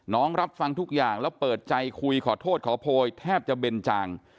รับฟังทุกอย่างแล้วเปิดใจคุยขอโทษขอโพยแทบจะเบนจาง